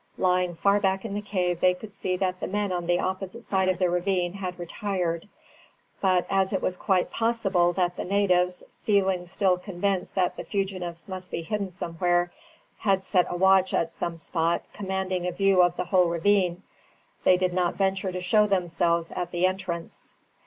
Lying far back in the cave they could see that the men on the opposite side of the ravine had retired; but as it was quite possible that the natives, feeling still convinced that the fugitives must be hidden somewhere, had set a watch at some spot commanding a view of the whole ravine, they did not venture to show themselves at the entrance.